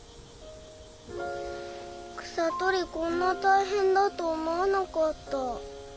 草とりこんなたいへんだと思わなかった。